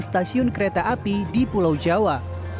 enam belas stasiun kereta api di pulau jawa